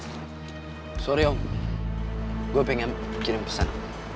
maaf saya ingin mengirim pesan